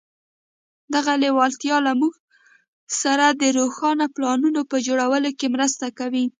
دغه لېوالتیا له موږ سره د روښانه پلانونو په جوړولو کې مرسته کوي.